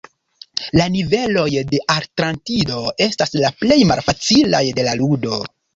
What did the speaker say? La niveloj de Atlantido estas la plej malfacilaj de la ludo.